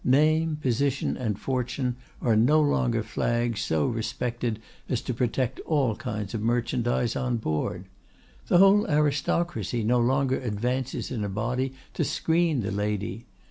Name, position, and fortune are no longer flags so respected as to protect all kinds of merchandise on board. The whole aristocracy no longer advances in a body to screen the lady.